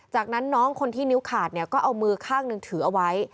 จากนั้นน้องคนที่นิ้วขาดเนี่ยก็เอามือข้างหนึ่งถือเอาไว้